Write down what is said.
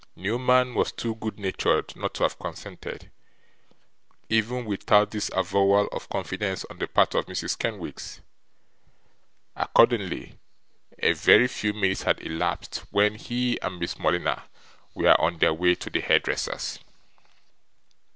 Newman was too good natured not to have consented, even without this avowal of confidence on the part of Mrs. Kenwigs. Accordingly, a very few minutes had elapsed, when he and Miss Morleena were on their way to the hairdresser's.